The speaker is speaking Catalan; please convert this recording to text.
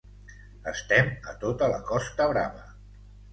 Estem a tota la costa Brava.